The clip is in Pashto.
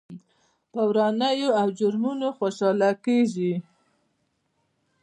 پر ورانيو او جرمونو خوشحاله کېږي.